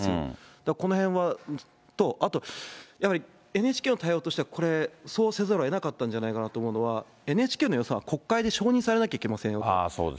だからこの辺と、あとやはりＮＨＫの対応としては、これ、そうせざるをえなかったんじゃないかなと思うのは、ＮＨＫの予算は国会で承認されなきゃいけませんよと。